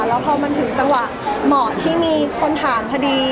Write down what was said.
แล้วพอมันถึงจังหวะเหมาะที่มีคนถามพอดี